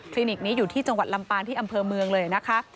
นิกนี้อยู่ที่จังหวัดลำปางที่อำเภอเมืองเลยนะคะ